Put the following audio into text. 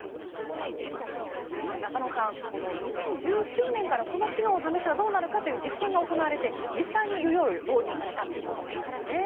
中野さん、２０１９年からこの機能を試したらどうなるかという実験が行われて実際にいよいよ導入されたということなんですよね。